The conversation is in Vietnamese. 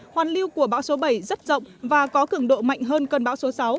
hoàn lưu của bão số bảy rất rộng và có cường độ mạnh hơn cơn bão số sáu